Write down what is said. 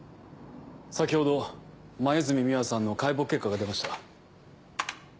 先ほど黛美羽さんの解剖結果が出ました。